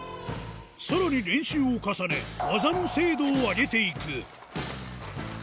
さらに練習を重ね、技の精度を上げていく。